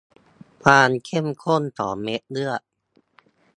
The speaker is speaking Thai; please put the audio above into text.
ความเข้มข้นของเม็ดเลือด